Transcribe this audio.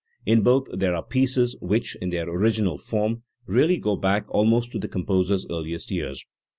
In both there are pieces which, in their original form, really go back almost to the composer's earliest years.